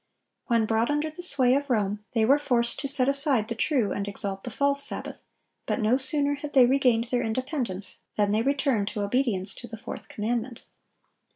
When brought under the sway of Rome, they were forced to set aside the true and exalt the false sabbath; but no sooner had they regained their independence than they returned to obedience to the fourth commandment.